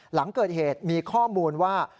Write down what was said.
หลังเกิดเหตุมีข้อมูลว่า